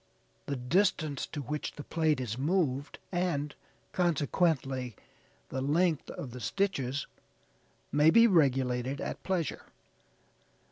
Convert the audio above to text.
The distance to which the plate is moved, and, consequently, the length of the stitches may be regulated at pleasure.